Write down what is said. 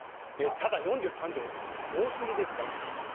ただ、４３兆、多すぎですから。